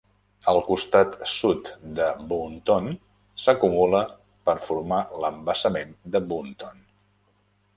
Al costat sud de Boonton s'acumula per formar l'embassament de Boonton.